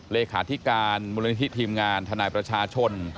เลขาธิการมูลนิธิทีมงานทนายประชาชน